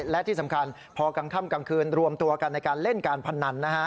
และที่สำคัญพอกลางค่ำกลางคืนรวมตัวกันในการเล่นการพนันนะฮะ